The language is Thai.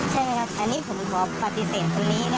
ใช่ไหมครับอันนี้ผมขอปฏิเสธคนนี้